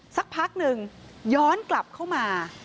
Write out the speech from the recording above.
สักพักหนึ่งย้อนกลับเข้ามา